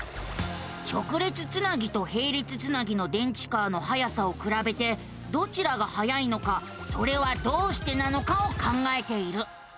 直列つなぎとへい列つなぎの電池カーのはやさをくらべてどちらがはやいのかそれはどうしてなのかを考えている。